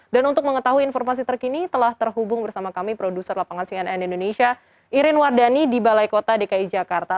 dan untuk mengetahui informasi terkini telah terhubung bersama kami produser lapangan cnn indonesia irin wardani di balai kota dki jakarta